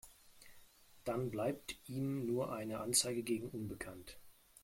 Dann bleibt ihm nur eine Anzeige gegen unbekannt.